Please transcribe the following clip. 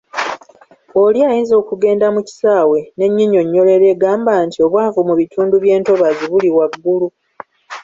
Oli ayinza okugenda mu kisaawe n’ennyinyonnyolero egamba nti obwavu mu bitundu by’entobazi buli waggulu.